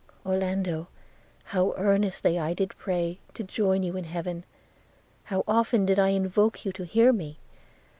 Orlando, how earnestly did I pray to join you in heaven! how often did I invoke you to hear me!